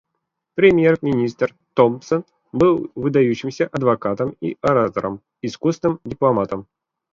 Премьер-министр Томпсон был выдающимся адвокатом и оратором, искусным дипломатом.